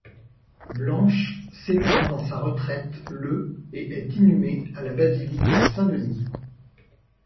Blanche s'éteint dans sa retraite le et est inhumée à la basilique de Saint-Denis.